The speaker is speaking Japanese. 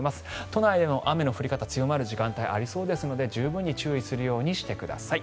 都内での雨の降り方強まる時間帯ありそうですので十分に注意するようにしてください。